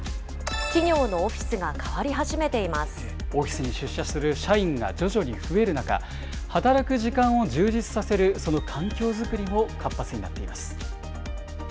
企業のオフィスが変わり始めていオフィスに出社する社員が徐々に増える中、働く時間を充実させる、その環境作りも活発になっています。